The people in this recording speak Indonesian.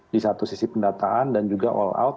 di satu sisi pendataan dan juga all out